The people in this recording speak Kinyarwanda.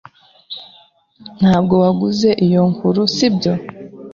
Ntabwo waguze iyo nkuru, sibyo?